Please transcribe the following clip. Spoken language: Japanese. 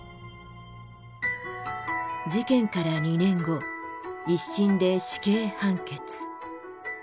事件から２年後一審で死刑判決。